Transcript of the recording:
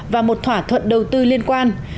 và một thỏa thuận đầu tư liên quan